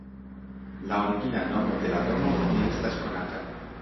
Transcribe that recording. La origina nomo de la domo ne estas konata.